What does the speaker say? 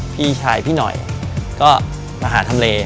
พี่ชายพี่หน่อยก็มาหาทำเล